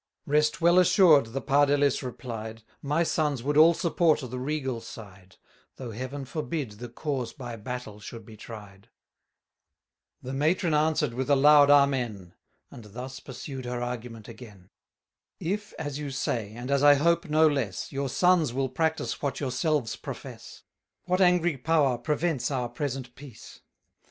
Rest well assured, the Pardelis replied, My sons would all support the regal side, Though Heaven forbid the cause by battle should be tried. The matron answer'd with a loud Amen, 670 And thus pursued her argument again. If, as you say, and as I hope no less, Your sons will practise what yourselves profess, What angry power prevents our present peace?